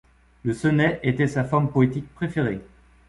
Le sonnet était sa forme poétique préférée.